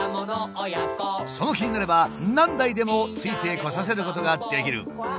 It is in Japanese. その気になれば何台でもついてこさせることができる。